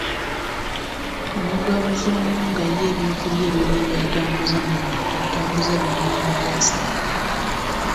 Omugabuzi omu nga ye eby'okulya ebibye by'atambuza mu bantu abitambuza byonna nga byasamye.